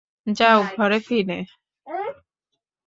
যাও ঘরে ফিরে।